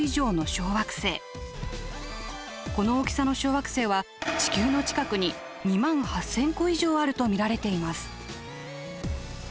この大きさの小惑星は地球の近くに２万８，０００個以上あると見られています。